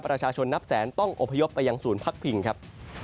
นับแสนต้องอบพยพไปยังศูนย์พักพิงครับ